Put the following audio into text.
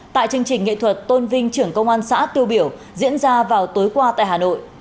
tại chương trình nghệ thuật tôn vinh trưởng công an xã tiêu biểu diễn ra vào tối qua tại hà nội